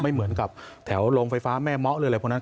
ไม่เหมือนกับแถวโรงไฟฟ้าแม่เมาะหรืออะไรพวกนั้น